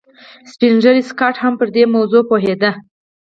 سپین ږیری سکاټ هم پر دې موضوع پوهېده